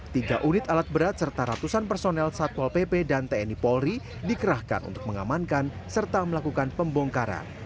tiga unit alat berat serta ratusan personel satpol pp dan tni polri dikerahkan untuk mengamankan serta melakukan pembongkaran